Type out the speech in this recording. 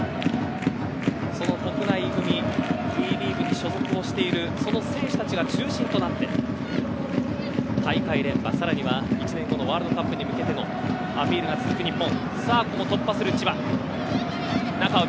その国内組ＷＥリーグに所属しているその選手たちが中心となって大会連覇、さらには１年後のワールドカップに向けてのアピールが続く日本。